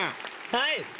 はい！